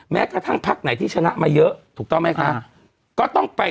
แม้กระทั่งพักไหนที่ชนะมาเยอะถูกต้องไหมคะก็ต้องไป